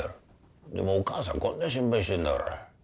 でもお母さんこんな心配してんだから。